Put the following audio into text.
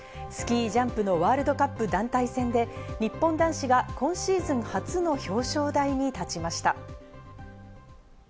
スキージャンプのワールドカップ団体戦で日本男子が今シーズン初の表彰台に立ちました。